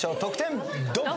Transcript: ドン！